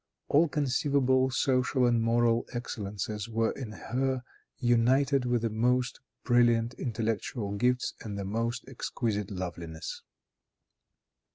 All conceivable social and moral excellences were in her united with the most brilliant intellectual gifts and the most exquisite loveliness.